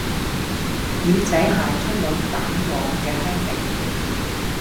奄仔蟹充滿蛋黃嘅香味